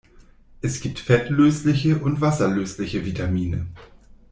Es gibt fettlösliche und wasserlösliche Vitamine.